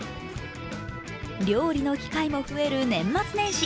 料理の機会も増える年末年始。